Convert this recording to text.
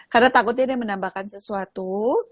karena takutnya dia menambahkan sesuatu